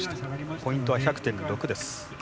ポイントは１００．６です。